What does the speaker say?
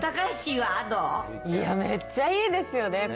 いや、めっちゃいいですよね。